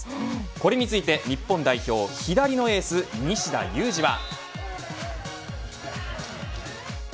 これについて日本代表左のエース西田有志は。